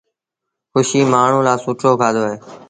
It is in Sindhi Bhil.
کُشي مآڻهوٚݩ لآ سُٺو کآڌو اهي۔